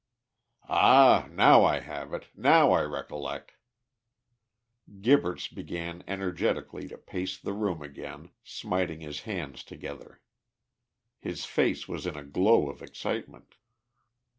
"Ah! now I have it! Now I recollect!" Gibberts began energetically to pace the room again, smiting his hands together. His face was in a glow of excitement.